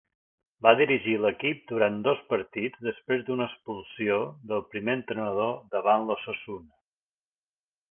Va dirigir a l'equip durant dos partits després d'una expulsió del primer entrenador davant l'Osasuna.